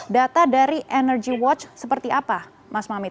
data dari energy watch seperti apa mas mamit